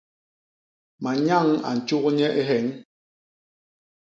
Manyañ a ntjuk nye i hyeñ.